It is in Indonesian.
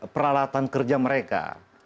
peralatan kerja mereka